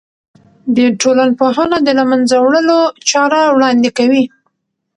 د ټولنپوهنه د له منځه وړلو چاره وړاندې کوي.